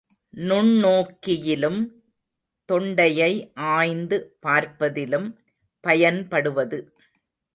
நுண்ணோக்கியிலும், தொண்டையை ஆய்ந்து பார்ப்பதிலும் பயன்படுவது.